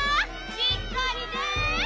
しっかりね！